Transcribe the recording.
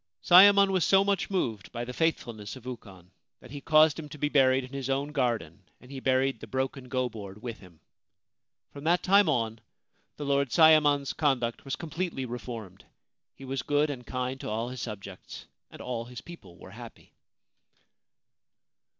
Sayemon was so much moved by the faithfulness of Ukon that he caused him to be buried in his own garden, and he buried the broken go board with him. From that time on the Lord Sayemon's conduct was completely reformed. He was good and kind to all his subjects, and all his people were happy.